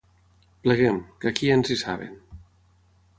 Pleguem, que aquí ja ens hi saben.